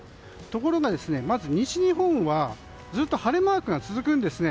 ところが、西日本はずっと晴れマークが続くんですね。